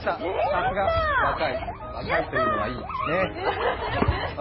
さすが、若い、若いというのがいい。